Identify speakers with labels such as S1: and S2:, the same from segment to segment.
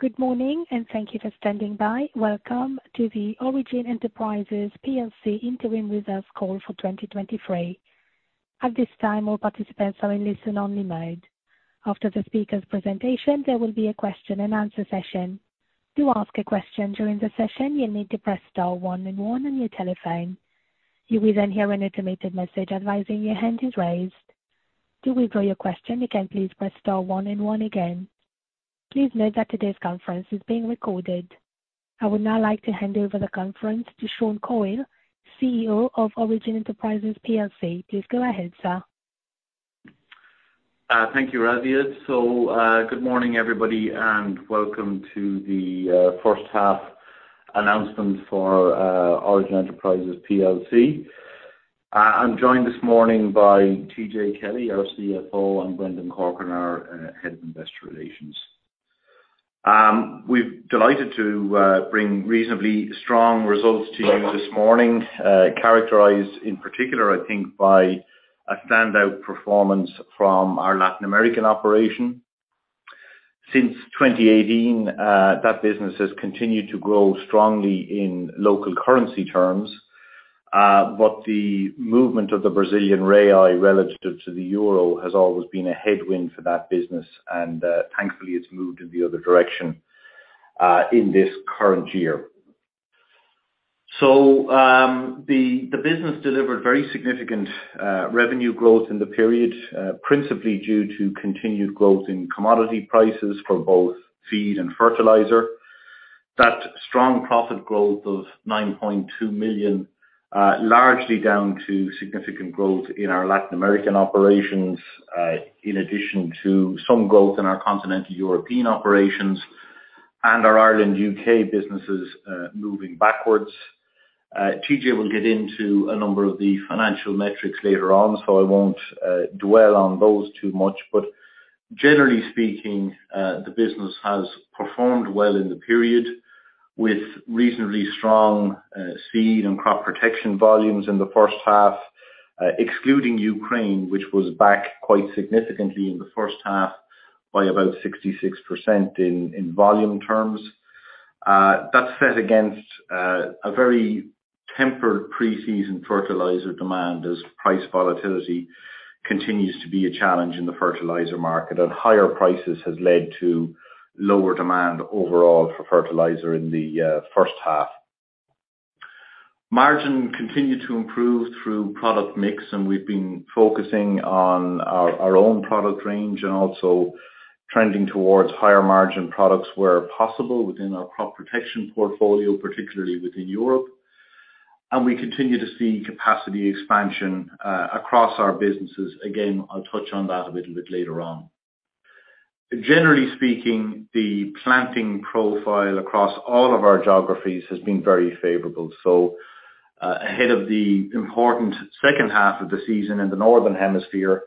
S1: Good morning, thank you for standing by. Welcome to the Origin Enterprises PLC interim results call for 2023. At this time, all participants are in listen only mode. After the speaker's presentation, there will be a question and answer session. To ask a question during the session, you'll need to press star one and one on your telephone. You will hear an automated message advising your hand is raised. To withdraw your question, you can please press star one and one again. Please note that today's conference is being recorded. I would now like to hand over the conference to Sean Coyle, CEO of Origin Enterprises PLC. Please go ahead, sir.
S2: Thank you, Raees. Good morning, everybody, and welcome to the first half announcement for Origin Enterprises PLC. I'm joined this morning by TJ Kelly, our CFO, and Brendan Corcoran, our Head of Investor Relations. We've delighted to bring reasonably strong results to you this morning, characterized in particular, I think, by a standout performance from our Latin American operation. Since 2018, that business has continued to grow strongly in local currency terms, but the movement of the Brazilian real relative to the euro has always been a headwind for that business. Thankfully, it's moved in the other direction in this current year. The business delivered very significant revenue growth in the period, principally due to continued growth in commodity prices for both feed and fertilizer. That strong profit growth of 9.2 million, largely down to significant growth in our Latin American operations, in addition to some growth in our continental European operations and our Ireland, U.K. businesses, moving backwards. TJ will get into a number of the financial metrics later on, so I won't dwell on those too much. Generally speaking, the business has performed well in the period with reasonably strong seed and crop protection volumes in the first half, excluding Ukraine, which was back quite significantly in the first half by about 66% in volume terms. That's set against a very tempered pre-season fertilizer demand as price volatility continues to be a challenge in the fertilizer market, and higher prices has led to lower demand overall for fertilizer in the first half. Margin continued to improve through product mix, and we've been focusing on our own product range and also trending towards higher margin products where possible within our crop protection portfolio, particularly within Europe. We continue to see capacity expansion across our businesses. Again, I'll touch on that a little bit later on. Generally speaking, the planting profile across all of our geographies has been very favorable. Ahead of the important second half of the season in the Northern Hemisphere,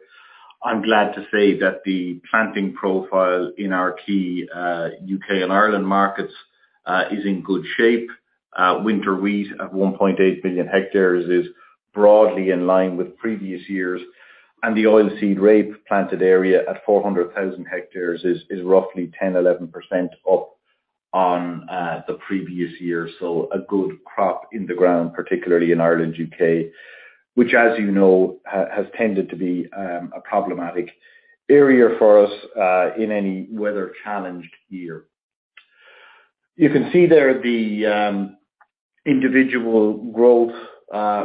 S2: I'm glad to say that the planting profile in our key U.K. and Ireland markets is in good shape. Winter wheat at 1.8 million hectares is broadly in line with previous years. The oilseed rape planted area at 400,000 hectares is roughly 10%, 11% up on the previous year. A good crop in the ground, particularly in Ireland, U.K., which as you know, has tended to be a problematic area for us in any weather-challenged year. You can see there the individual growth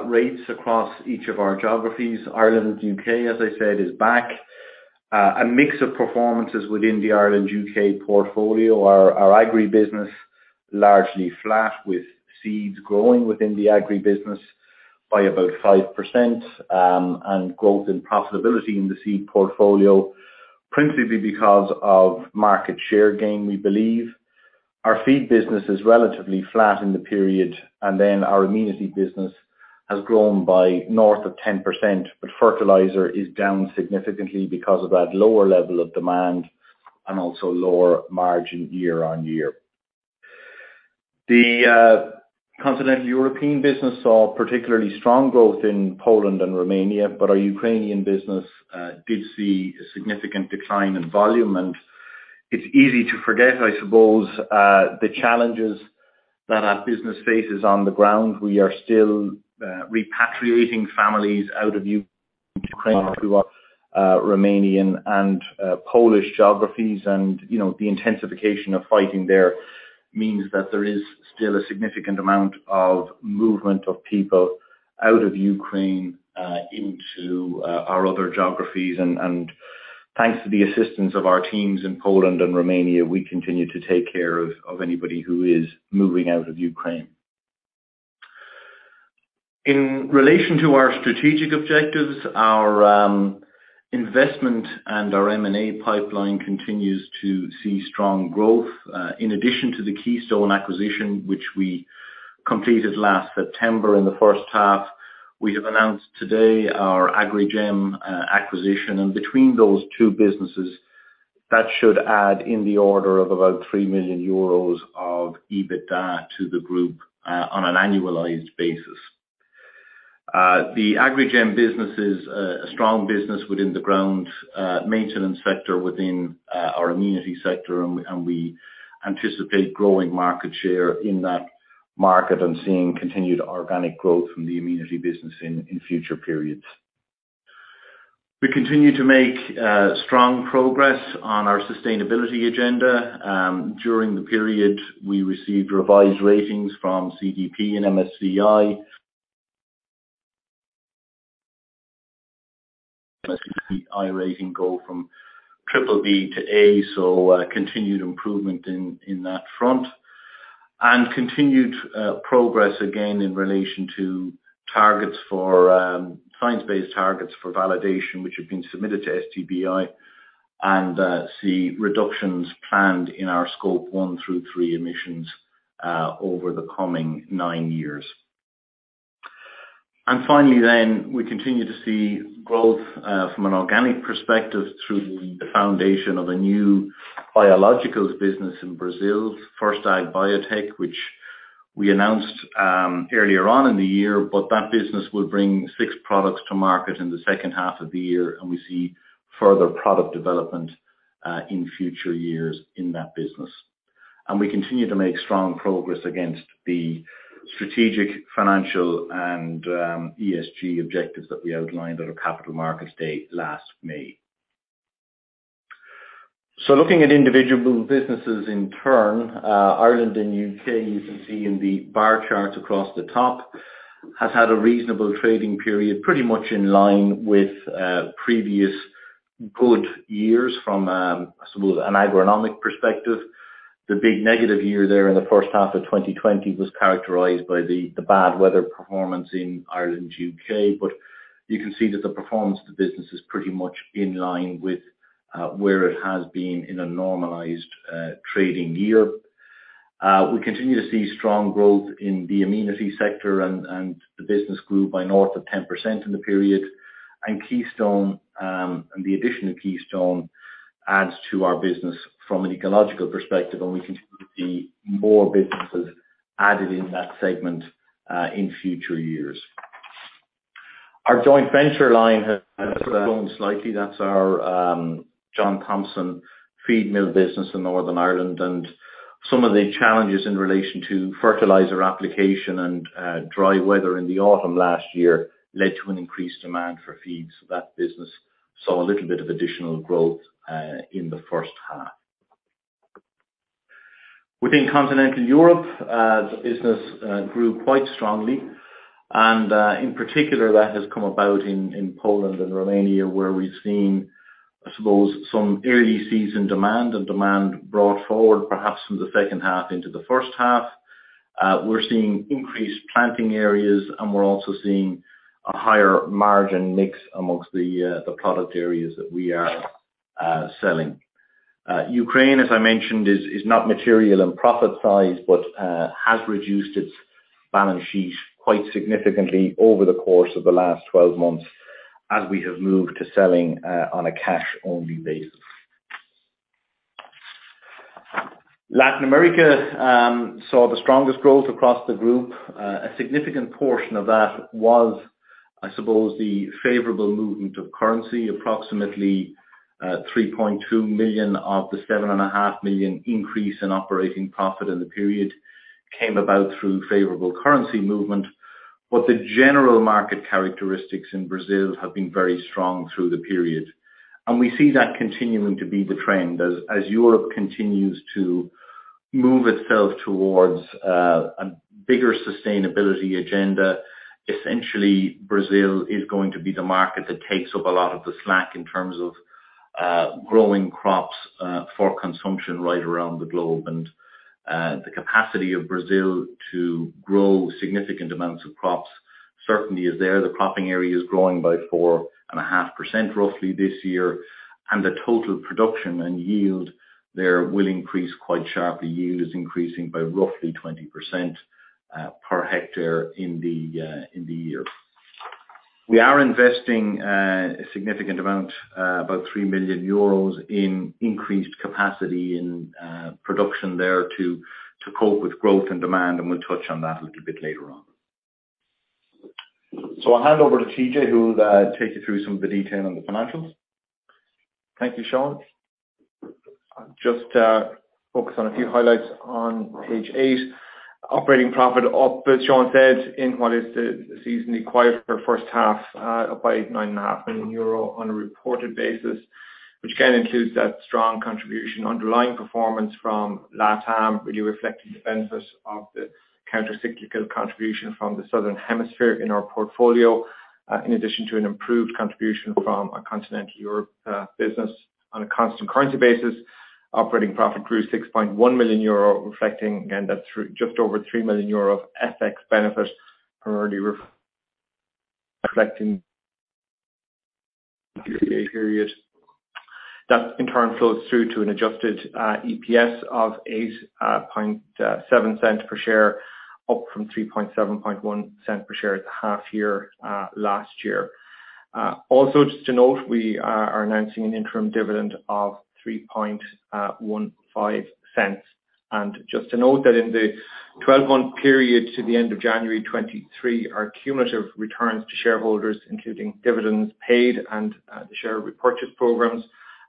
S2: rates across each of our geographies. Ireland and U.K., as I said, is back. A mix of performances within the Ireland, U.K. portfolio are our agri business, largely flat, with seeds growing within the agri business by about 5% and growth and profitability in the seed portfolio, principally because of market share gain, we believe. Our feed business is relatively flat in the period, and then our Amenity business has grown by north of 10%. Fertilizer is down significantly because of that lower level of demand and also lower margin year-on-year. The Continental European business saw particularly strong growth in Poland and Romania, but our Ukrainian business did see a significant decline in volume. It's easy to forget, I suppose, the challenges that our business faces on the ground. We are still repatriating families out of Ukraine to our Romanian and Polish geographies. You know, the intensification of fighting there means that there is still a significant amount of movement of people out of Ukraine into our other geographies. Thanks to the assistance of our teams in Poland and Romania, we continue to take care of anybody who is moving out of Ukraine. In relation to our strategic objectives, our investment and our M&A pipeline continues to see strong growth. In addition to the Keystone acquisition, which we completed last September in the first half, we have announced today our Agrigem acquisition. Between those two businesses, that should add in the order of about 3 million euros of EBITDA to the group on an annualized basis. The Agrigem business is a strong business within the ground maintenance sector within our Amenity sector, and we anticipate growing market share in that market and seeing continued organic growth from the Amenity business in future periods. We continue to make strong progress on our sustainability agenda. During the period, we received revised ratings from CDP and MSCI. MSCI rating go from BBB to A, continued improvement in that front. Continued progress again in relation to targets for Science Based Targets for validation which have been submitted to SBTi, see reductions planned in our Scope 1 through 3 emissions over the coming nine years. Finally, we continue to see growth from an organic perspective through the foundation of a new biologicals business in Brazil, F1rst Agbiotech, which we announced earlier on in the year. That business will bring six products to market in the second half of the year, and we see further product development in future years in that business. We continue to make strong progress against the strategic, financial, and ESG objectives that we outlined at our Capital Markets Day last May. Looking at individual businesses in turn, Ireland and U.K., you can see in the bar charts across the top, has had a reasonable trading period, pretty much in line with previous good years from, I suppose, an agronomic perspective. The big negative year there in the first half of 2020 was characterized by the bad weather performance in Ireland, U.K. You can see that the performance of the business is pretty much in line with where it has been in a normalized trading year. We continue to see strong growth in the Amenity sector and the business grew by north of 10% in the period. Keystone and the addition of Keystone adds to our business from an ecological perspective, and we continue to see more businesses added in that segment in future years. Our joint venture line has grown slightly. That's our John Thompson feed mill business in Northern Ireland. Some of the challenges in relation to fertilizer application and dry weather in the autumn last year led to an increased demand for feeds. That business saw a little bit of additional growth in the first half. Within continental Europe, the business grew quite strongly. In particular, that has come about in Poland and Romania, where we've seen, I suppose some early season demand and demand brought forward perhaps from the second half into the first half. We're seeing increased planting areas. We're also seeing a higher margin mix amongst the product areas that we are selling. Ukraine, as I mentioned, is not material in profit size, but has reduced its balance sheet quite significantly over the course of the last 12 months as we have moved to selling on a cash-only basis. Latin America saw the strongest growth across the group. A significant portion of that was, I suppose, the favorable movement of currency. Approximately, 3.2 million of the 7.5 million increase in operating profit in the period came about through favorable currency movement. The general market characteristics in Brazil have been very strong through the period. We see that continuing to be the trend. As Europe continues to move itself towards a bigger sustainability agenda, essentially Brazil is going to be the market that takes up a lot of the slack in terms of growing crops for consumption right around the globe. The capacity of Brazil to grow significant amounts of crops certainly is there. The cropping area is growing by 4.5% roughly this year, and the total production and yield there will increase quite sharply. Yield is increasing by roughly 20% per hectare in the year. We are investing a significant amount about 3 million euros in increased capacity in production there to cope with growth and demand, and we'll touch on that a little bit later on. I'll hand over to TJ, who will take you through some of the detail on the financials.
S3: Thank you, Sean. I'll just focus on a few highlights on page eight. Operating profit up, as Sean said, in what is the seasonally quiet for first half, up by 7.5 million euro on a reported basis, which again includes that strong contribution underlying performance from LATAM, really reflecting the benefits of the counter cyclical contribution from the Southern Hemisphere in our portfolio, in addition to an improved contribution from our continental Europe business on a constant currency basis. Operating profit grew 6.1 million euro, reflecting again that through just over 3 million euro of FX benefit primarily reflecting the period. That in turn flows through to an adjusted EPS of 8.7 cents per share, up from 3.71 cents per share at the half year last year. Also just to note, we are announcing an interim dividend of 3.15 cents. Just to note that in the 12-month period to the end of January 2023, our cumulative returns to shareholders, including dividends paid and the share repurchase programs,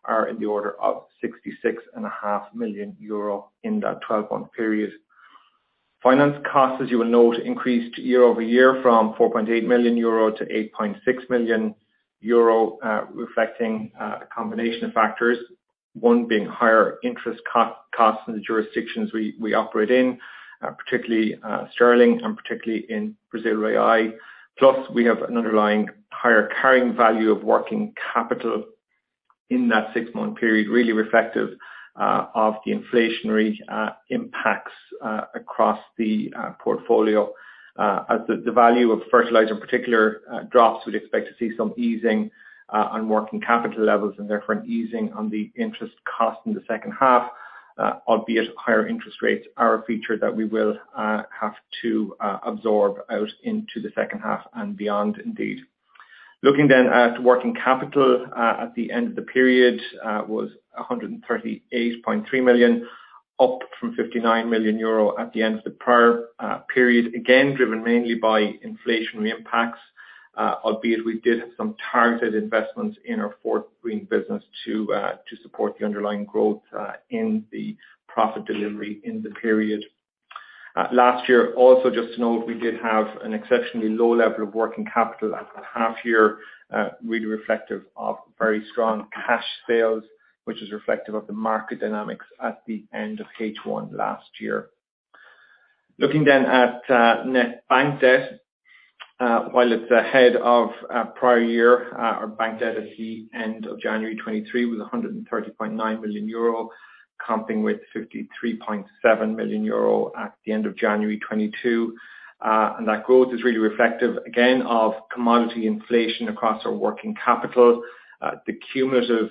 S3: are in the order of 66.5 million euro in that 12-month period. Finance costs, as you will note, increased year-over-year from 4.8 million euro to 8.6 million euro, reflecting a combination of factors. One being higher interest costs in the jurisdictions we operate in, particularly sterling and particularly in Brazil real. We have an underlying higher carrying value of working capital in that six-month period, really reflective of the inflationary impacts across the portfolio. As the value of fertilizer in particular drops, we'd expect to see some easing on working capital levels and therefore an easing on the interest cost in the second half. Albeit higher interest rates are a feature that we will have to absorb out into the second half and beyond indeed. Working capital at the end of the period was 138.3 million, up from 59 million euro at the end of the prior period, again, driven mainly by inflationary impacts. Albeit we did have some targeted investments in our Fortgreen business to support the underlying growth in the profit delivery in the period. Last year, also just to note, we did have an exceptionally low level of working capital at the half year, really reflective of very strong cash sales, which is reflective of the market dynamics at the end of H1 last year. Looking at net bank debt. While it's ahead of prior year, our bank debt at the end of January 2023 was 130.9 million, comping with 53.7 million euro at the end of January 2022. That growth is really reflective again of commodity inflation across our working capital. The cumulative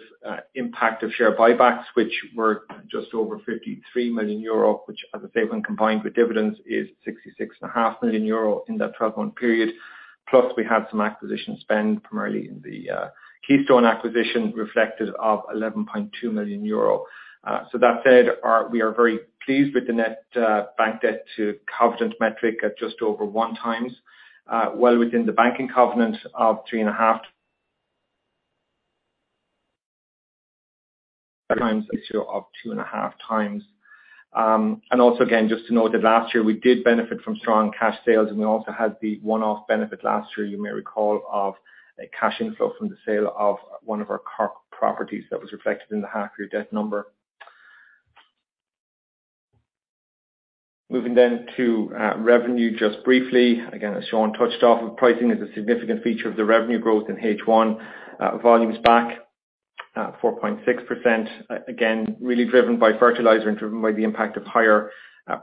S3: impact of share buybacks, which were just over 53 million euro, which as I say, when combined with dividends, is 66.5 million euro in that 12-month period. Plus, we had some acquisition spend, primarily in the Keystone acquisition reflected of 11.2 million euro. That said, we are very pleased with the net bank debt to covenant metric at just over 1x, well within the banking covenant of 3.5x of 2.5x. Also again, just to note that last year we did benefit from strong cash sales, and we also had the one-off benefit last year, you may recall, of a cash inflow from the sale of one of our car properties that was reflected in the half-year debt number. Moving to revenue just briefly. As Sean touched off, pricing is a significant feature of the revenue growth in H1. Volumes back 4.6% again, really driven by fertilizer and driven by the impact of higher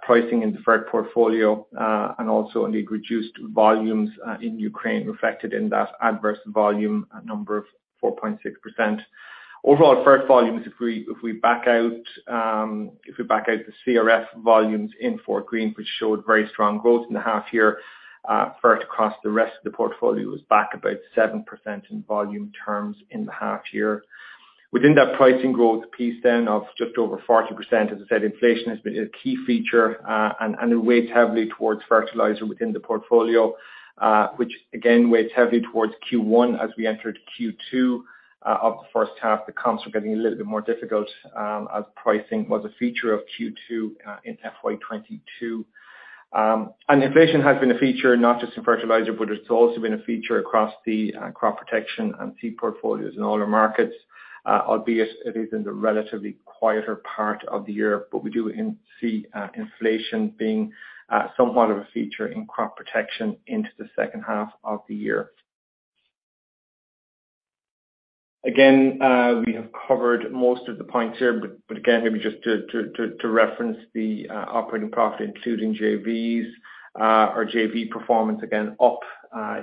S3: pricing in the fert portfolio, and also indeed reduced volumes in Ukraine reflected in that adverse volume, a number of 4.6%. Fert volumes, if we back out the CRF volumes in Fortgreen, which showed very strong growth in the half year, fert across the rest of the portfolio was back about 7% in volume terms in the half year. Within that pricing growth piece of just over 40%, as I said, inflation has been a key feature, and it weighs heavily towards fertilizer within the portfolio, which again weighs heavily towards Q1 as we enter to Q2 of the first half. The comps are getting a little bit more difficult, as pricing was a feature of Q2 in FY 2022. Inflation has been a feature not just in fertilizer, but it's also been a feature across the crop protection and seed portfolios in all our markets. Albeit it is in the relatively quieter part of the year, we do see inflation being somewhat of a feature in crop protection into the second half of the year. Again, we have covered most of the points here, but again, maybe just to reference the operating profit, including JVs. Our JV performance again up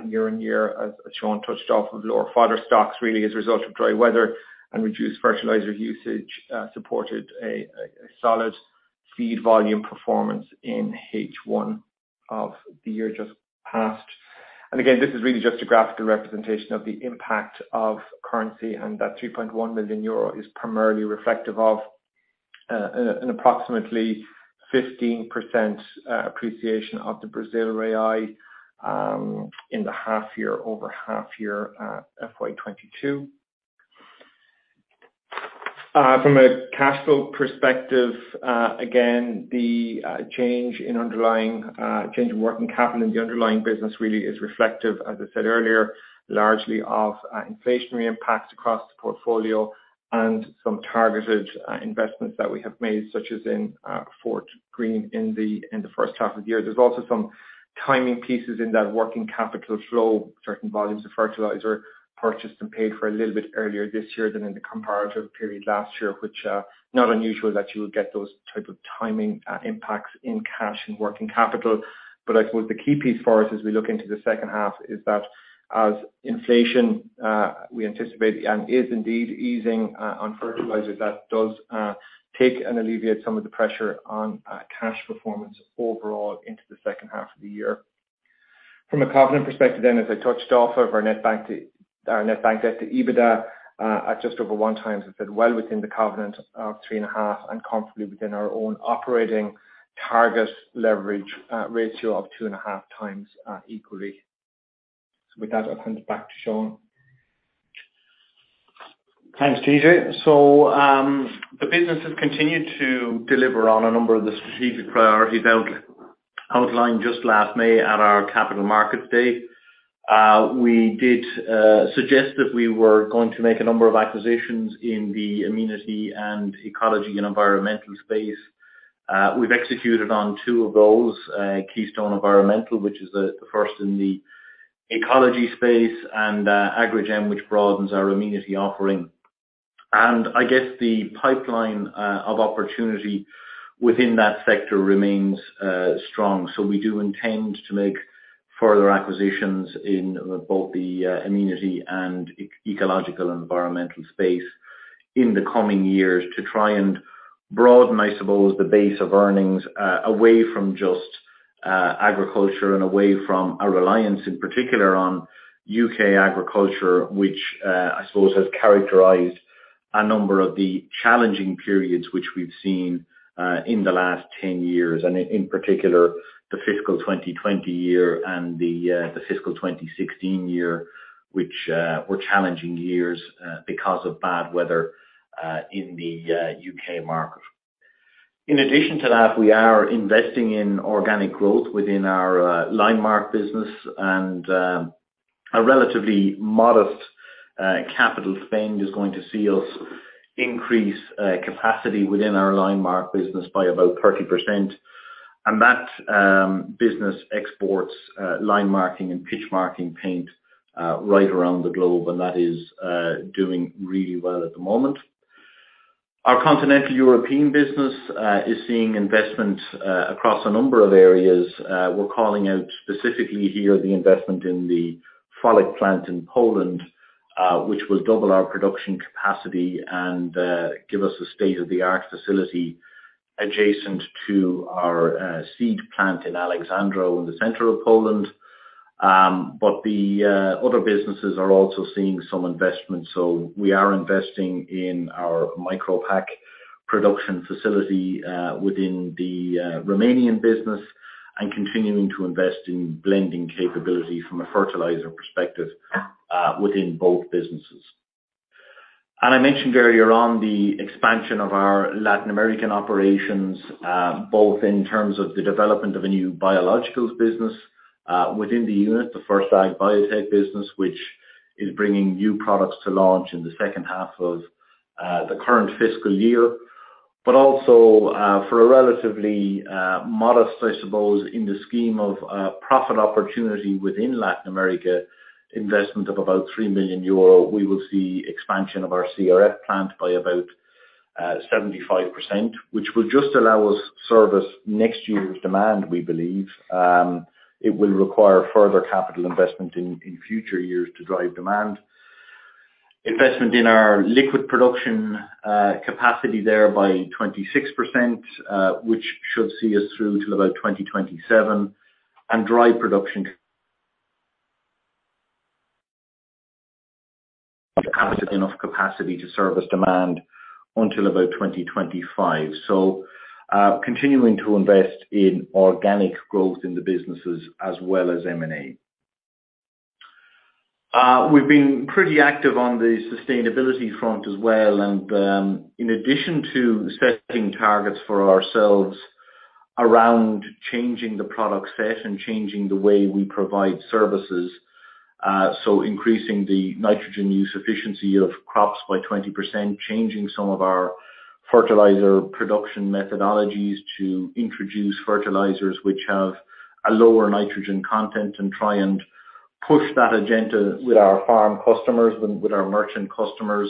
S3: year-on-year as Sean touched off with lower fodder stocks really as a result of dry weather and reduced fertilizer usage, supported a solid feed volume performance in H1 of the year just passed. Again, this is really just a graphical representation of the impact of currency, and that 3.1 million euro is primarily reflective of an approximately 15% appreciation of the Brazil Real in the half year, over half year, FY 2022. From a cash flow perspective, again, the change in underlying change in working capital in the underlying business really is reflective, as I said earlier, largely of inflationary impacts across the portfolio and some targeted investments that we have made, such as in Fortgreen in the in the first half of the year. There's also some timing pieces in that working capital flow, certain volumes of fertilizer purchased and paid for a little bit earlier this year than in the comparative period last year, which not unusual that you would get those type of timing impacts in cash and working capital. I suppose the key piece for us as we look into the second half is that as inflation, we anticipate and is indeed easing, on fertilizers, that does take and alleviate some of the pressure on cash performance overall into the second half of the year. From a covenant perspective, as I touched off of our net bank debt to EBITDA, at just over 1x, it's well within the covenant of 3.5x and comfortably within our own operating target leverage ratio of 2.5x, equally. With that, I'll hand it back to Sean.
S2: Thanks, TJ. The business has continued to deliver on a number of the strategic priorities outlined just last May at our Capital Markets Day. We did suggest that we were going to make a number of acquisitions in the Amenity and Ecology and Environmental space. We've executed on two of those, Keystone Environmental, which is the first in the ecology space, and Agrigem, which broadens our Amenity offering. I guess the pipeline of opportunity within that sector remains strong. We do intend to make further acquisitions in both the Amenity and Ecological and Environmental space in the coming years to try and broaden, I suppose, the base of earnings away from just agriculture and away from our reliance, in particular, on U.K. agriculture, which, I suppose, has characterized a number of the challenging periods which we've seen in the last 10 years, in particular, the FY 2020 year and the FY 2016 year, which were challenging years because of bad weather in the U.K. market. In addition to that, we are investing in organic growth within our Linemark business and a relatively modest capital spend is going to see us increase capacity within our Linemark business by about 30%. That business exports line marking and pitch marking paint right around the globe, and that is doing really well at the moment. Our continental European business is seeing investment across a number of areas. We're calling out specifically here the investment in the Folek plant in Poland, which will double our production capacity and give us a state-of-the-art facility adjacent to our seed plant in Aleksandrów in the center of Poland. The other businesses are also seeing some investment, so we are investing in our Micro-pack production facility within the Romanian business and continuing to invest in blending capability from a fertilizer perspective within both businesses. I mentioned earlier on the expansion of our Latin American operations, both in terms of the development of a new biologicals business within the unit, the F1rst Agbiotech business, which is bringing new products to launch in the second half of the current fiscal year. Also, for a relatively modest, I suppose, in the scheme of a profit opportunity within Latin America, investment of about 3 million euro, we will see expansion of our CRF plant by about 75%, which will just allow us service next year's demand, we believe. It will require further capital investment in future years to drive demand. Investment in our liquid production capacity there by 26%, which should see us through to about 2027, and dry production enough capacity to service demand until about 2025. Continuing to invest in organic growth in the businesses as well as M&A. We've been pretty active on the sustainability front as well, and, in addition to setting targets for ourselves around changing the product set and changing the way we provide services, so increasing the nitrogen use efficiency of crops by 20%, changing some of our fertilizer production methodologies to introduce fertilizers which have a lower nitrogen content and try and push that agenda with our farm customers and with our merchant customers,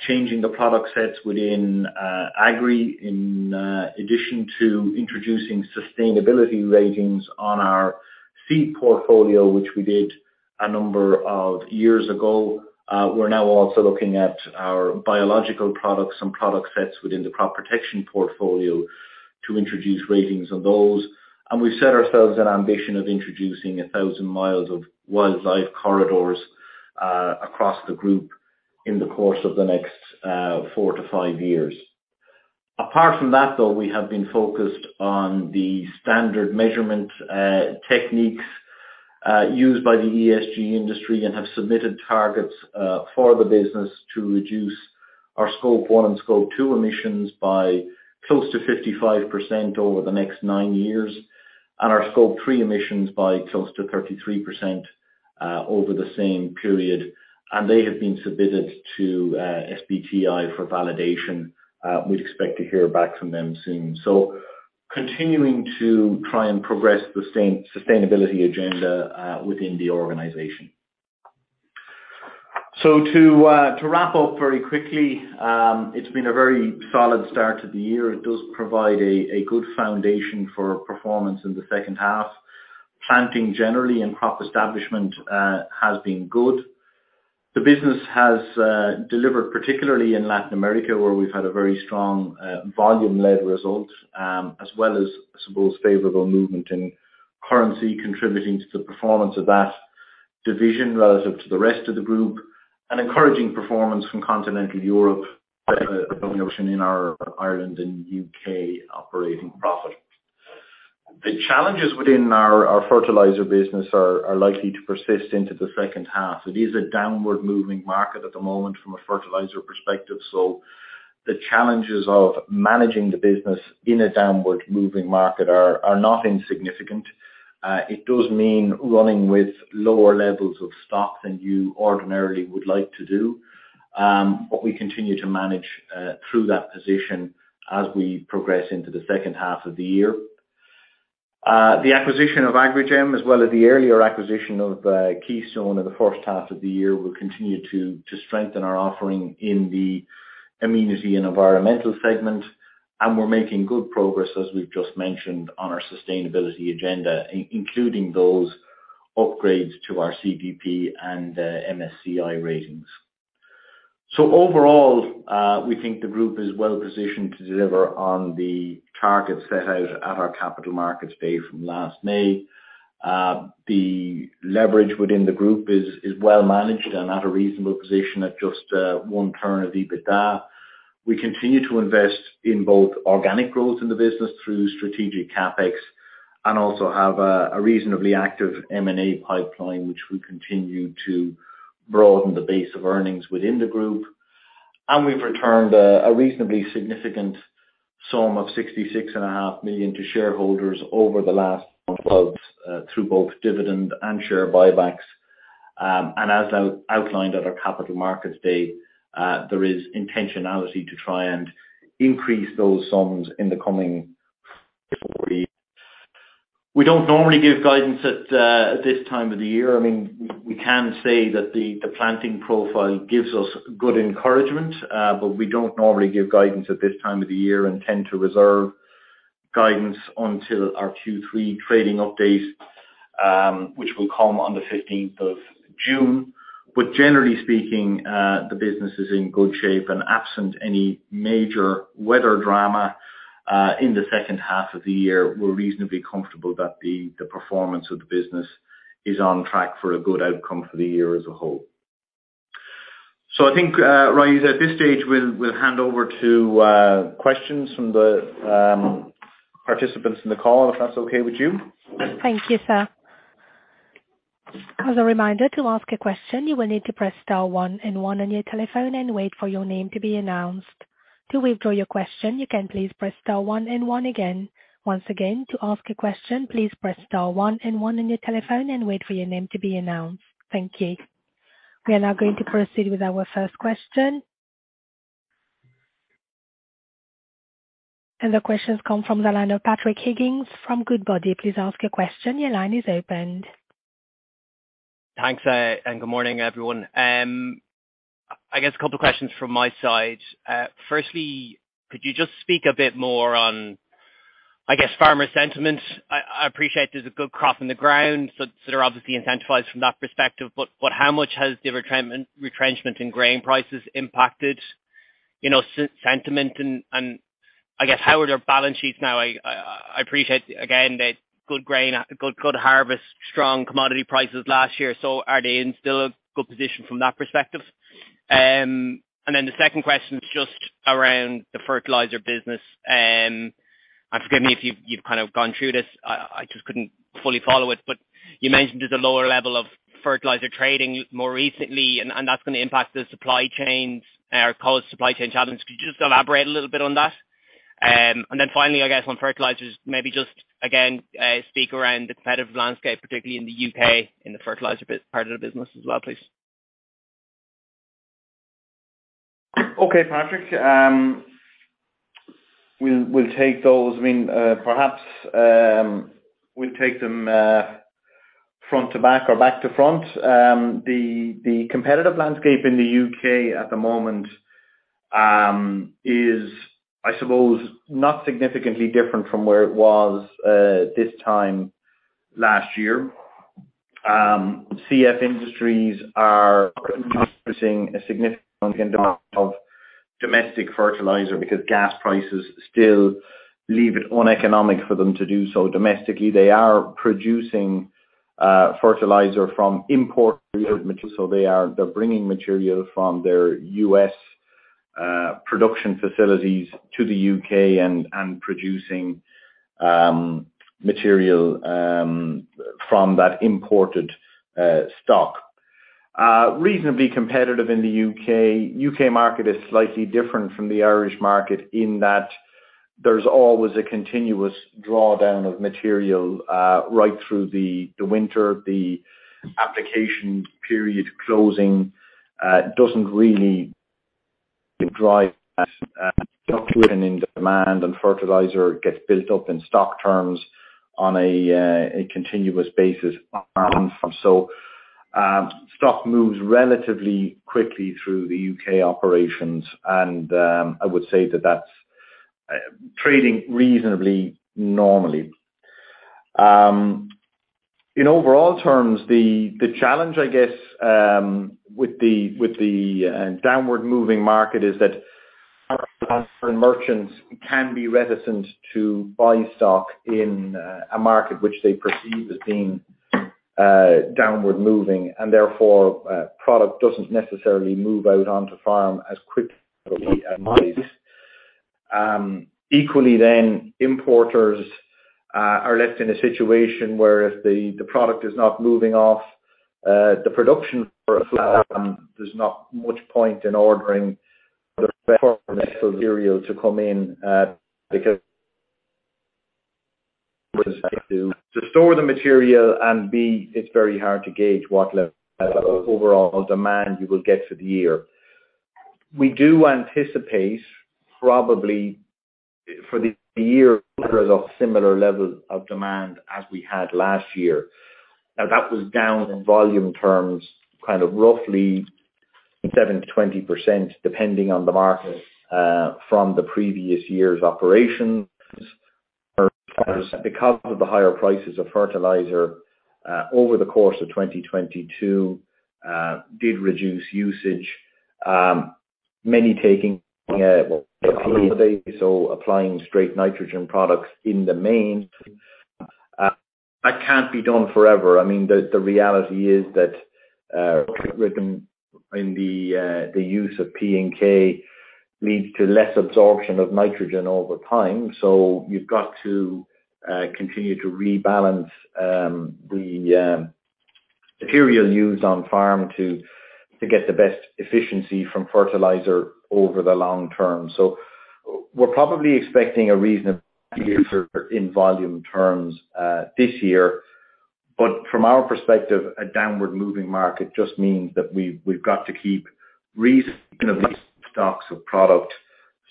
S2: changing the product sets within agri in addition to introducing sustainability ratings on our seed portfolio, which we did a number of years ago. We're now also looking at our biological products and product sets within the crop protection portfolio to introduce ratings on those. We've set ourselves an ambition of introducing 1,000 mi of wildlife corridors across the group in the course of the next four to five years. Apart from that, though, we have been focused on the standard measurement techniques used by the ESG industry and have submitted targets for the business to reduce our Scope 1 and Scope 2 emissions by close to 55% over the next nine years, and our Scope 3 emissions by close to 33% over the same period. They have been submitted to SBTi for validation. We'd expect to hear back from them soon. Continuing to try and progress the sustainability agenda within the organization. To wrap up very quickly, it's been a very solid start to the year. It does provide a good foundation for performance in the second half. Planting generally and crop establishment has been good. The business has delivered particularly in Latin America, where we've had a very strong volume-led result, as well as, I suppose favorable movement in currency contributing to the performance of that division relative to the rest of the group. An encouraging performance from Continental Europe. In our Ireland and U.K. operating profit, the challenges within our fertilizer business are likely to persist into the second half. It is a downward moving market at the moment from a fertilizer perspective. The challenges of managing the business in a downward moving market are not insignificant. It does mean running with lower levels of stock than you ordinarily would like to do. We continue to manage through that position as we progress into the second half of the year. The acquisition of Agrigem, as well as the earlier acquisition of Keystone in the first half of the year, will continue to strengthen our offering in the Amenity and Environmental segment. We're making good progress, as we've just mentioned on our sustainability agenda, including those upgrades to our CDP and MSCI ratings. Overall, we think the group is well positioned to deliver on the targets set out at our Capital Markets Day from last May. The leverage within the group is well managed and at a reasonable position at just one turn of the EBITDA. We continue to invest in both organic growth in the business through strategic CapEx, and also have a reasonably active M&A pipeline which will continue to broaden the base of earnings within the group. We've returned a reasonably significant sum of 66.5 million to shareholders over the last 12 through both dividend and share buybacks. As outlined at our Capital Markets Day, there is intentionality to try and increase those sums in the coming four years. We don't normally give guidance at this time of the year. I mean, we can say that the planting profile gives us good encouragement, but we don't normally give guidance at this time of the year and tend to reserve guidance until our Q3 trading update, which will come on the fifteenth of June. Generally speaking, the business is in good shape and absent any major weather drama, in the second half of the year, we're reasonably comfortable that the performance of the business is on track for a good outcome for the year as a whole. I think, Raees at this stage, we'll hand over to questions from the participants in the call, if that's okay with you.
S1: Thank you, sir. As a reminder, to ask a question, you will need to press star one and one on your telephone and wait for your name to be announced. To withdraw your question, you can please press star one and one again. Once again, to ask a question, please press star one and one on your telephone and wait for your name to be announced. Thank you. We are now going to proceed with our first question. The question's come from the line of Patrick Higgins from Goodbody. Please ask your question. Your line is opened.
S4: Thanks. Good morning, everyone. I guess a couple of questions from my side. Firstly, could you just speak a bit more on, I guess, farmer sentiment? I appreciate there's a good crop in the ground, so they're obviously incentivized from that perspective. How much has the retrenchment in grain prices impacted, you know, sentiment and, I guess how are their balance sheets now? I appreciate again, that good grain, good harvest, strong commodity prices last year. Are they in still a good position from that perspective? Then the second question is just around the fertilizer business. Forgive me if you've kind of gone through this. I just couldn't fully follow it. You mentioned there's a lower level of fertilizer trading more recently, and that's gonna impact the supply chains or cause supply chain challenges. Could you just elaborate a little bit on that? Then finally, I guess on fertilizers, maybe just again, speak around the competitive landscape, particularly in the U.K., in the fertilizer part of the business as well, please.
S2: Okay, Patrick. We'll take those. I mean, perhaps, we'll take them front to back or back to front. The competitive landscape in the U.K. at the moment is, I suppose, not significantly different from where it was this time last year. CF Industries are seeing a significant of domestic fertilizer because gas prices still leave it uneconomic for them to do so domestically. They are producing fertilizer from import material. They are bringing material from their U.S. production facilities to the U.K. and producing material from that imported stock. Reasonably competitive in the U.K. U.K. market is slightly different from the Irish market in that there's always a continuous drawdown of material right through the winter. The application period closing doesn't really drive that fluctuation in demand. Fertilizer gets built up in stock terms on a continuous basis. Stock moves relatively quickly through the U.K. operations and I would say that that's trading reasonably normally. In overall terms, the challenge, I guess, with the downward moving market is that merchants can be reticent to buy stock in a market which they perceive as being downward moving. Therefore, product doesn't necessarily move out onto farm as quickly. Equally, importers are left in a situation where if the product is not moving off, the production for A, there's not much point in ordering material to come in because to store the material, and B, it's very hard to gauge what level of overall demand you will get for the year. We do anticipate probably for the year, there is a similar level of demand as we had last year. That was down in volume terms, kind of roughly 7%-20%, depending on the market, from the previous year's operations. The higher prices of fertilizer, over the course of 2022, did reduce usage, many taking, so applying straight nitrogen products in the main. That can't be done forever. I mean, the reality is that in the use of P and K leads to less absorption of nitrogen over time. You've got to continue to rebalance the material used on farm to get the best efficiency from fertilizer over the long term. We're probably expecting a reasonable in volume terms this year. From our perspective, a downward moving market just means that we've got to keep reasonable stocks of product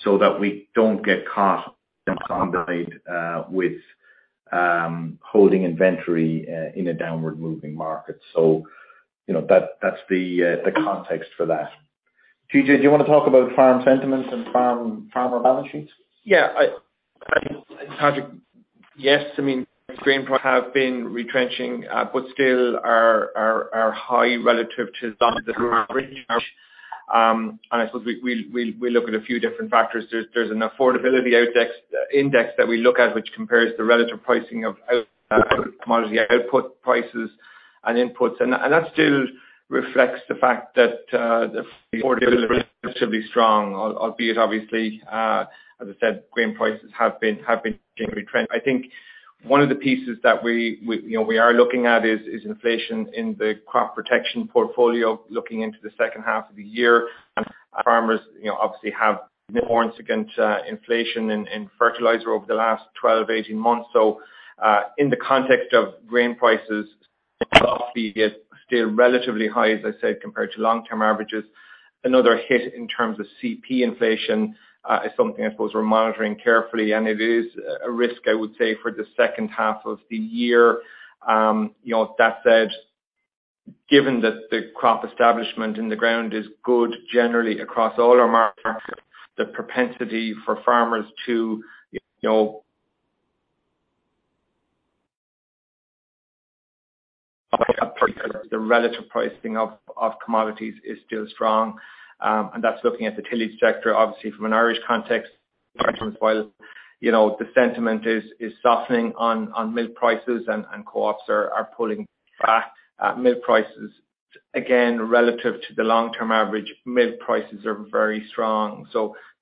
S2: so that we don't get caught with holding inventory in a downward moving market. You know, that's the context for that. TJ, do you wanna talk about farm sentiment and farmer balance sheets?
S3: Yeah. I, Patrick. Yes. I mean, grain prices have been retrenching, but still are high relative to, and I suppose we'll look at a few different factors. There's an affordability index that we look at which compares the relative pricing of commodity output prices and inputs. That still reflects the fact that the strong, albeit obviously, as I said, grain prices have been generally trending. I think one of the pieces that we, you know, we are looking at is inflation in the crop protection portfolio looking into the second half of the year. Farmers, you know, obviously have more against inflation in fertilizer over the last 12 to 18 months. In the context of grain prices, still relatively high, as I said, compared to long-term averages. Another hit in terms of CP inflation is something I suppose we're monitoring carefully, and it is a risk, I would say, for the second half of the year. You know, that said, given that the crop establishment in the ground is good generally across all our markets, the propensity for farmers to, you know. The relative pricing of commodities is still strong, and that's looking at the tillage sector, obviously from an Irish context. You know, the sentiment is softening on milk prices and co-ops are pulling back. At milk prices, again, relative to the long-term average, milk prices are very strong.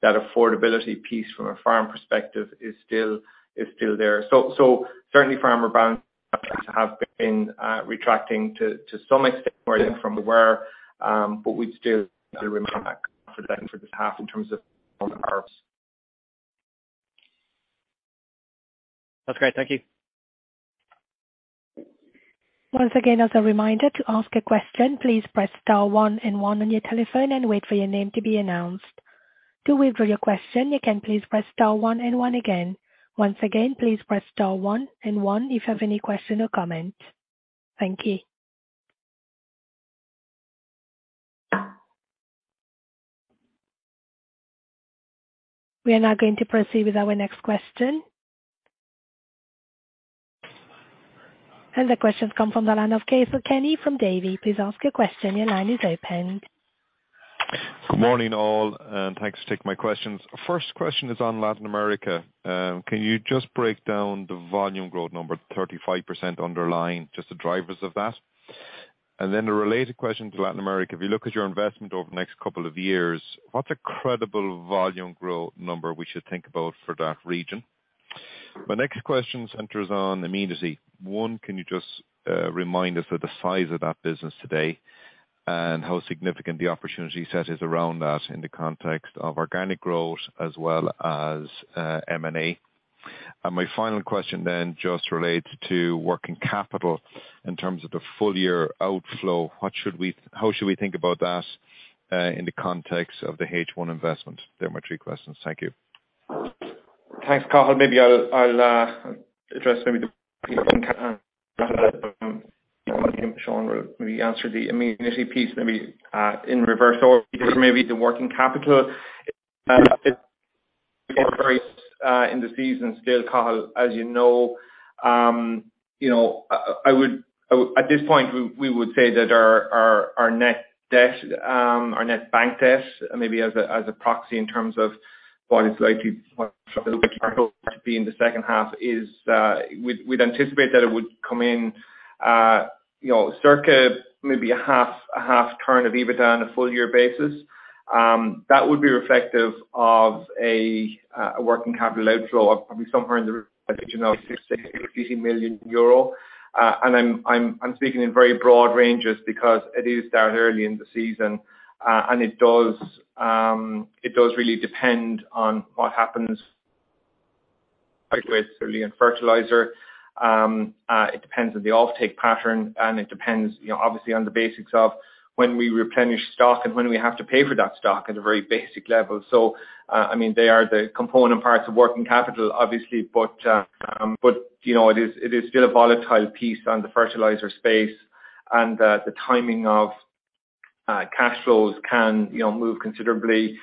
S3: That affordability piece from a farm perspective is still there. Certainly farmer balance have been retracting to some extent from where, but we'd still for this half in terms of.
S2: That's great. Thank you.
S1: Once again, as a reminder to ask a question, please press star one and one on your telephone and wait for your name to be announced. To withdraw your question, you can please press star one and one again. Once again, please press star one and one if you have any questions or comments. Thank you. We are now going to proceed with our next question. The question's come from the line of Cathal Kenny from Davy. Please ask your question. Your line is open.
S5: Good morning, all, thanks for taking my questions. First question is on Latin America. Can you just break down the volume growth number, 35% underlying, just the drivers of that? A related question to Latin America. If you look at your investment over the next couple of years, what's a credible volume growth number we should think about for that region? My next question centers on Amenity. One, can you just remind us of the size of that business today and how significant the opportunity set is around that in the context of organic growth as well as M&A? My final question just relates to working capital in terms of the full year outflow. How should we think about that in the context of the H1 investment? They're my three questions. Thank you.
S3: Thanks, Cathal. Maybe I'll address the Immunity piece in reverse order. Maybe the working capital in the season scale, Cathal, as you know, at this point, we would say that our net debt, our net bank debt, maybe as a proxy in terms of what it's likely to be in the second half is, we'd anticipate that it would come in, you know, circa half a turn of EBITDA on a full-year basis. That would be reflective of a working capital outflow of probably somewhere in the region of 60 million-80 million euro. I'm speaking in very broad ranges because it is that early in the season. It does really depend on what happens with early in fertilizer. It depends on the offtake pattern, and it depends, you know, obviously on the basics of when we replenish stock and when we have to pay for that stock at a very basic level. I mean, they are the component parts of working capital, obviously, but, you know, it is still a volatile piece on the fertilizer space, and the timing of cash flows can, you know, move considerably,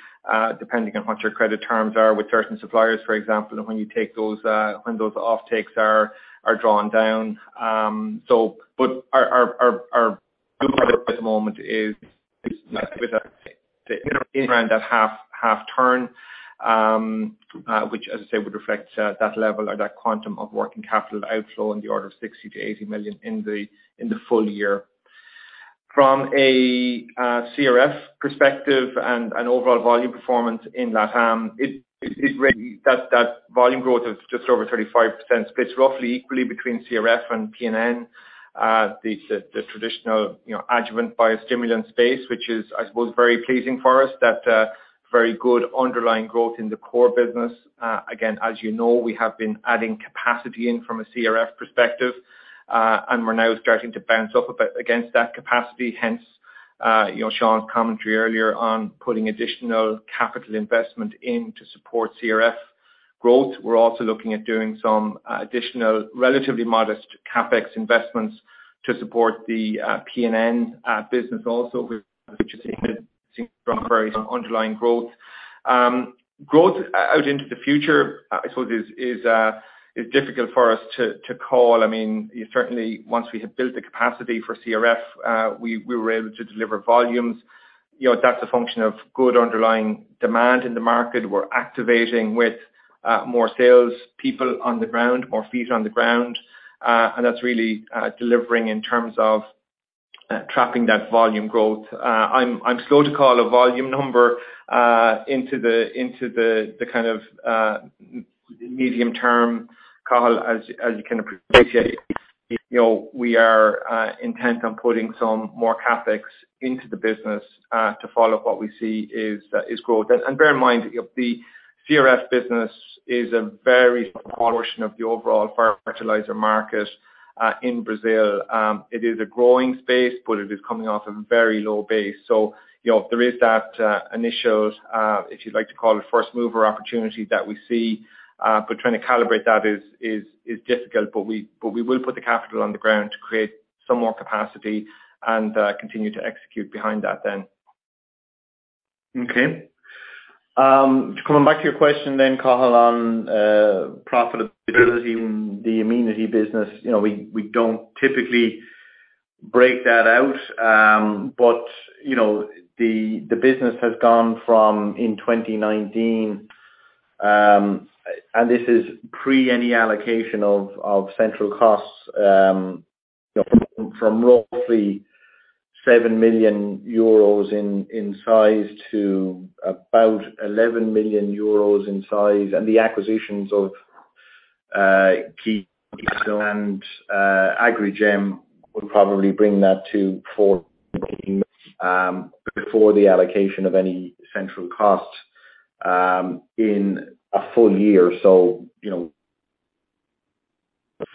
S3: depending on what your credit terms are with certain suppliers, for example, when you take those, when those offtakes are drawn down. But our good product at the moment is with that half turn, which as I said, would reflect that level or that quantum of working capital outflow in the order of 60 million-80 million in the full year. From a CRF perspective and an overall volume performance in LATAM, it really that volume growth of just over 35% splits roughly equally between CRF and PNN. The traditional, you know, adjuvant biostimulant space which is, I suppose, very pleasing for us that very good underlying growth in the core business. Again, as you know, we have been adding capacity in from a CRF perspective, and we're now starting to bounce up a bit against that capacity. Hence, you know, Sean's commentary earlier on putting additional capital investment in to support CRF growth. We're also looking at doing some additional relatively modest CapEx investments to support the PNN business also, which has seen very underlying growth. Growth out into the future, I suppose, is difficult for us to call. I mean, certainly once we have built the capacity for CRF, we were able to deliver volumes. You know, that's a function of good underlying demand in the market. We're activating with more sales people on the ground, more feet on the ground, and that's really delivering in terms of trapping that volume growth. I'm slow to call a volume number into the kind of medium term call as you can appreciate. You know, we are intent on putting some more CapEx into the business to follow what we see is growth. Bear in mind, the CRF business is a very small portion of the overall fertilizer market in Brazil. It is a growing space, but it is coming off a very low base. You know, there is that initial, if you'd like to call it, first-mover opportunity that we see, but trying to calibrate that is difficult. We will put the capital on the ground to create some more capacity and continue to execute behind that then.
S2: Okay. Coming back to your question then, Cathal, on profitability in the Amenity business. You know, we don't typically break that out. You know, the business has gone from in 2019, and this is pre any allocation of central costs, from roughly 7 million euros in size to about 11 million euros in size. The acquisitions of, key and Agrigem would probably bring that to 14 million before the allocation of any central costs in a full year. You know,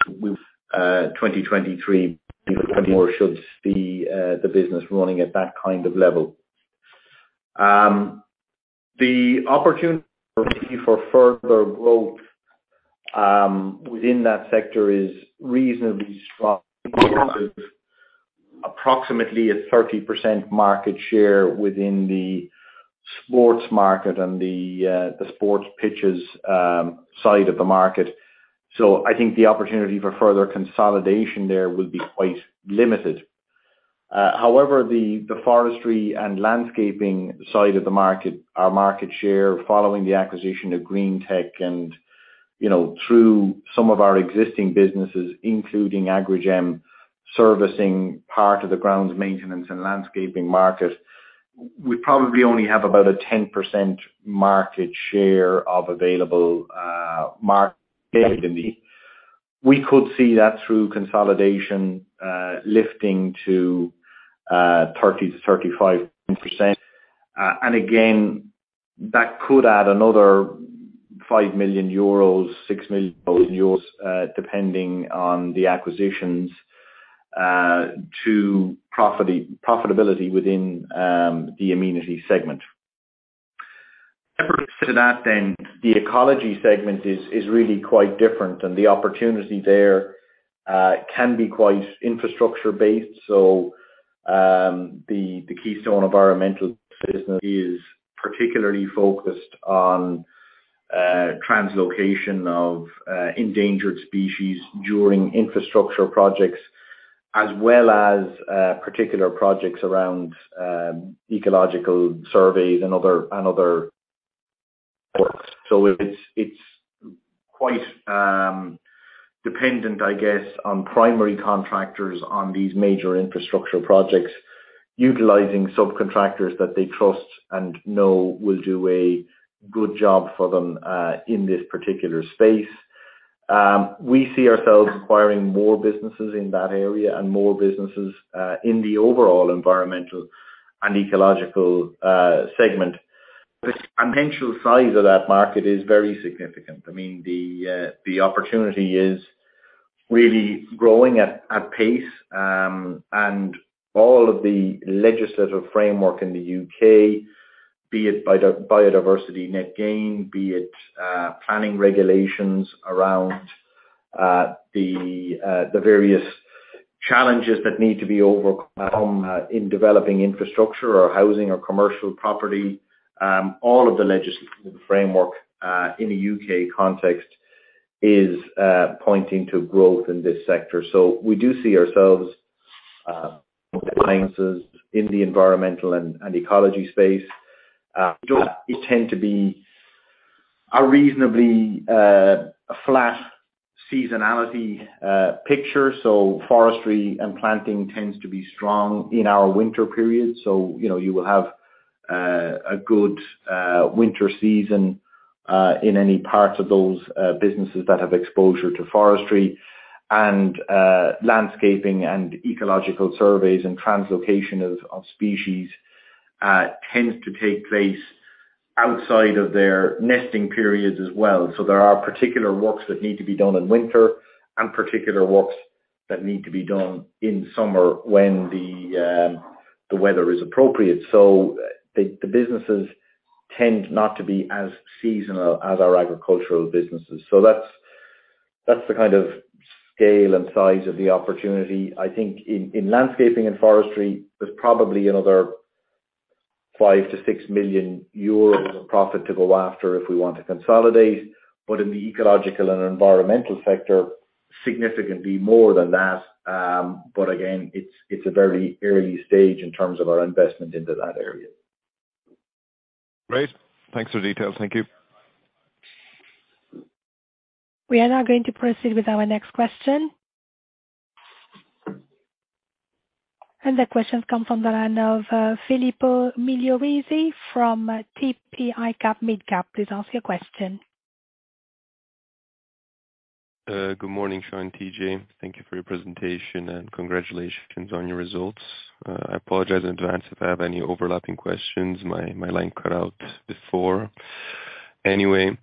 S2: with, 2023 should see the business running at that kind of level. The opportunity for further growth within that sector is reasonably strong. Approximately a 30% market share within the sports market and the sports pitches side of the market. I think the opportunity for further consolidation there will be quite limited. However, the forestry and landscaping side of the market, our market share following the acquisition of Green-tech and, you know, through some of our existing businesses, including Agrigem, servicing part of the grounds maintenance and landscaping market, we probably only have about a 10% market share of available market. We could see that through consolidation, lifting to 30%-35%. Again, that could add another 5 million euros, 6 million euros, depending on the acquisitions, to profitability within the Amenity segment. The ecology segment is really quite different and the opportunity there. Can be quite infrastructure based. The Keystone Environmental business is particularly focused on translocation of endangered species during infrastructure projects, as well as particular projects around ecological surveys and other works. It's quite dependent, I guess, on primary contractors on these major infrastructure projects, utilizing subcontractors that they trust and know will do a good job for them in this particular space. We see ourselves acquiring more businesses in that area and more businesses in the overall Environmental and Ecological segment. The potential size of that market is very significant. I mean, the opportunity is really growing at pace. All of the legislative framework in the U.K., be it by the Biodiversity Net Gain, be it planning regulations around the various challenges that need to be overcome in developing infrastructure or housing or commercial property, all of the legislative framework in a U.K. context is pointing to growth in this sector. We do see ourselves acquiring businesses in the Environmental and Ecology space. They tend to be a reasonably flat seasonality picture. Forestry and planting tends to be strong in our winter periods. You know, you will have a good winter season in any parts of those businesses that have exposure to forestry. Landscaping and ecological surveys and translocation of species tends to take place outside of their nesting periods as well. There are particular works that need to be done in winter and particular works that need to be done in summer when the weather is appropriate. The businesses tend not to be as seasonal as our agricultural businesses. That's the kind of scale and size of the opportunity. I think in landscaping and forestry, there's probably another 5 million-6 million euros of profit to go after if we want to consolidate, but in the Ecological and Environmental sector, significantly more than that. Again, it's a very early stage in terms of our investment into that area.
S3: Great. Thanks for the details. Thank you.
S1: We are now going to proceed with our next question. The question come from the line of Filippo Migliorisi from TP ICAP Midcap. Please ask your question.
S6: Good morning, Sean and TJ. Thank you for your presentation, and congratulations on your results. I apologize in advance if I have any overlapping questions. My line cut out before. Anyway,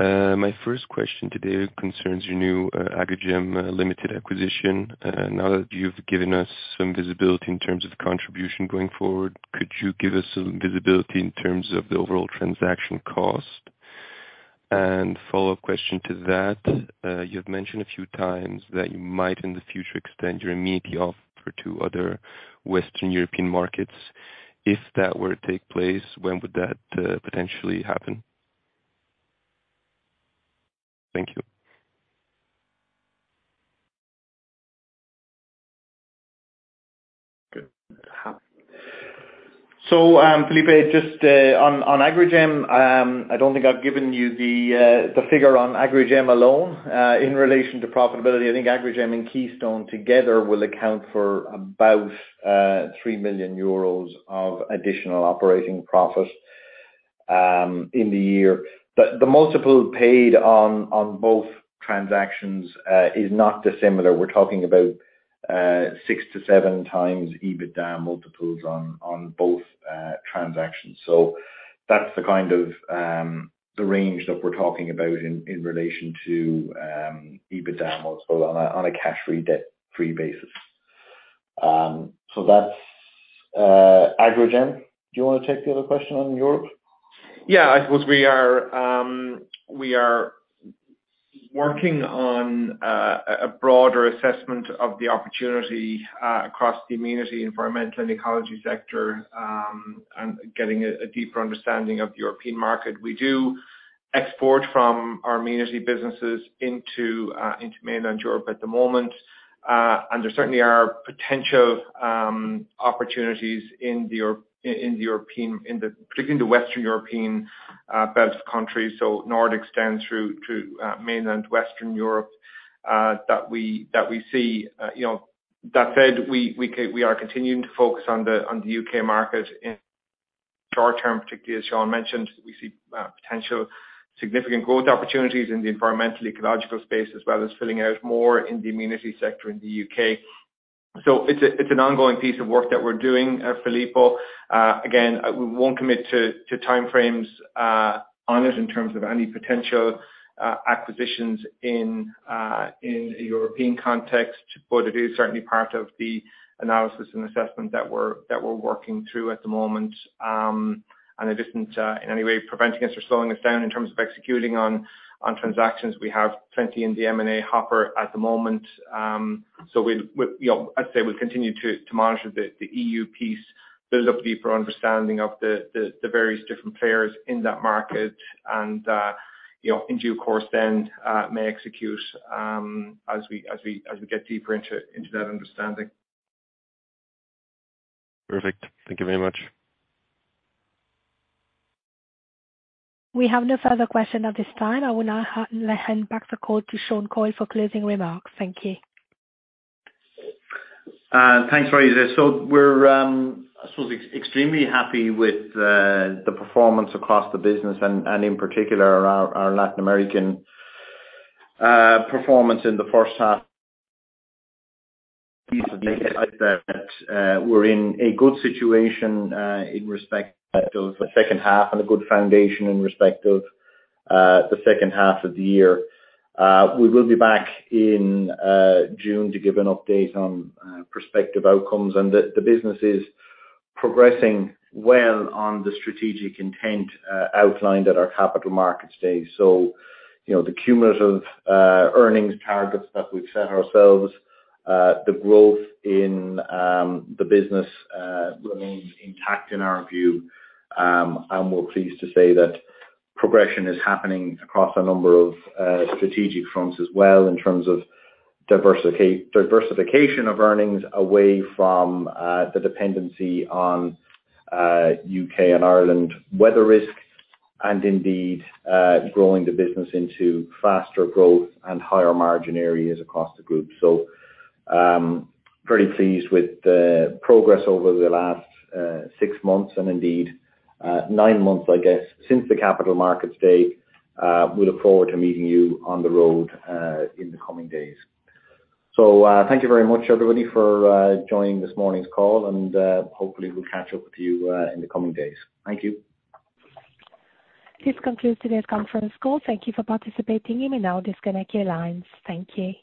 S6: my first question today concerns your new Agrigem Limited acquisition. Now that you've given us some visibility in terms of contribution going forward, could you give us some visibility in terms of the overall transaction cost? Follow-up question to that, you've mentioned a few times that you might, in the future, extend your Amenity offer to other Western European markets. If that were to take place, when would that potentially happen? Thank you.
S2: Good. Filippo, just on Agrigem, I don't think I've given you the figure on Agrigem alone in relation to profitability. I think Agrigem and Keystone together will account for about 3 million euros of additional operating profit in the year. The multiple paid on both transactions is not dissimilar. We're talking about 6x-7x EBITDA multiples on both transactions. That's the kind of the range that we're talking about in relation to EBITDA multiples on a cash-free, debt-free basis. That's Agrigem. Do you wanna take the other question on Europe?
S3: Yeah. I suppose we are working on a broader assessment of the opportunity across the Amenity, Environmental and Ecology sector, and getting a deeper understanding of the European market. We do export from our Amenity businesses into mainland Europe at the moment. There certainly are potential opportunities in the European, particularly the Western European belt countries, so Nordic extend through to mainland Western Europe that we see. You know, that said, we are continuing to focus on the U.K. market in short-term, particularly as Sean mentioned, we see potential significant growth opportunities in the Environmental Ecological space, as well as filling out more in the Amenity sector in the U.K. It's an ongoing piece of work that we're doing, Filippo. Again, we won't commit to time frames on it in terms of any potential acquisitions in a European context, but it is certainly part of the analysis and assessment that we're working through at the moment. It isn't in any way preventing us or slowing us down in terms of executing on transactions. We have plenty in the M&A hopper at the moment. We, you know, I'd say we'll continue to monitor the EU piece, build up deeper understanding of the various different players in that market and, you know, in due course then, may execute as we get deeper into that understanding.
S7: Perfect. Thank you very much.
S1: We have no further question at this time. I will now hand back the call to Sean Coyle for closing remarks. Thank you.
S2: Thanks, Raees. We're extremely happy with the performance across the business and, in particular our Latin American performance in the first half. Pleased to say that we're in a good situation in respect of the second half and a good foundation in respect of the second half of the year. We will be back in June to give an update on prospective outcomes and the business is progressing well on the strategic intent outlined at our Capital Markets Day. You know, the cumulative earnings targets that we've set ourselves, the growth in the business remains intact in our view. We're pleased to say that progression is happening across a number of strategic fronts as well in terms of diversification of earnings away from the dependency on U.K. and Ireland weather risk. Indeed, growing the business into faster growth and higher margin areas across the group. Pretty pleased with the progress over the last six months and indeed nine months, I guess, since the Capital Markets Day. We look forward to meeting you on the road in the coming days. Thank you very much, everybody, for joining this morning's call and hopefully we'll catch up with you in the coming days. Thank you.
S1: This concludes today's conference call. Thank you for participating. You may now disconnect your lines. Thank you.